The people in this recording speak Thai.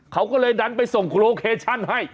เขาก็เลยดันไปส่งโลเคชั่นให้